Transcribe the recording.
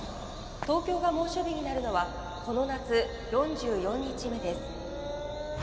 東京が猛暑日になるのはこの夏４４日目です」。